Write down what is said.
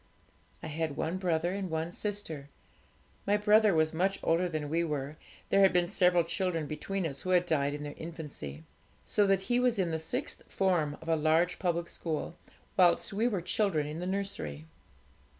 'I had one brother and one sister. My brother was much older than we were; there had been several children between us, who had died in their infancy, so that he was in the sixth form of a large public school whilst we were children in the nursery.